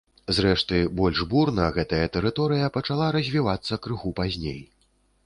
Зрэшты, больш бурна гэтая тэрыторыя пачала развівацца крыху пазней.